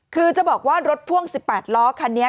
คือจะบอกว่ารถพ่วง๑๘ล้อคันนี้